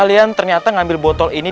kalian ternyata ngambil botol ini